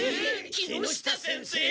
木下先生？